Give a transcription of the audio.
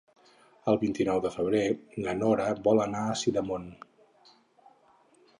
El vint-i-nou de febrer na Nora vol anar a Sidamon.